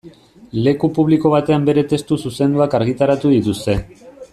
Leku publiko batean bere testu zuzenduak argitaratu dituzte.